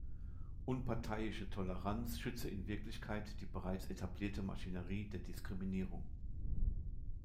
Unparteiische Toleranz schütze in Wirklichkeit die bereits etablierte Maschinerie der Diskriminierung.